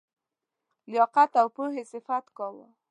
لیاقت او پوهي صفت کاوه.